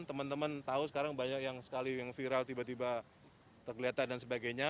teman teman tahu sekarang banyak yang sekali yang viral tiba tiba tergeletak dan sebagainya